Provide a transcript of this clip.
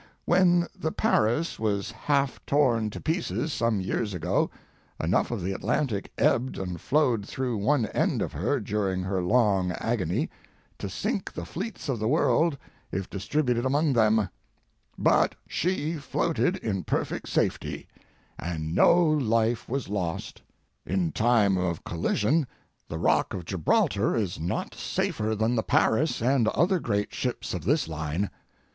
When the Paris was half torn to pieces some years ago, enough of the Atlantic ebbed and flowed through one end of her, during her long agony, to sink the fleets of the world if distributed among them; but she floated in perfect safety, and no life was lost. In time of collision the rock of Gibraltar is not safer than the Paris and other great ships of this line.